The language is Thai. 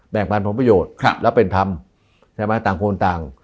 แบ่งบันพุพยุตครับแล้วเป็นธรรมใช่ไหมต่าง